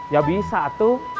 ya bisa atu